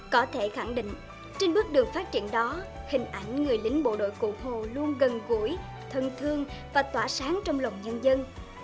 có thể khẳng định trên bước đường phát triển đó hình ảnh người lính bộ đội cụ hồ luôn gần gũi thân thương và tỏa sáng trong lòng nhân dân